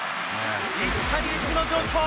１対１の状況。